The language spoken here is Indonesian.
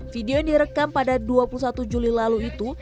video yang direkam pada dua puluh satu juli lalu itu